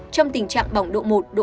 trong tình trạng bỏng độ một độ hai